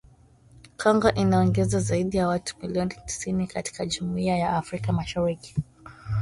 Kongo inaongeza zaidi ya watu milioni tisini katika Jumuiya ya Afrika Mashariki